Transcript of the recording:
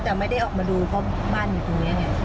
แต่ไม่ได้ออกมาดูเพราะบ้านอยู่ตรงนี้ไง